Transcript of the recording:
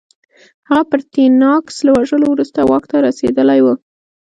هغه پرتیناکس له وژلو وروسته واک ته رسېدلی و